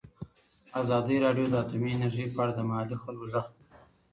ازادي راډیو د اټومي انرژي په اړه د محلي خلکو غږ خپور کړی.